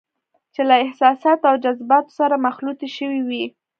چې له احساساتو او جذباتو سره مخلوطې شوې وي.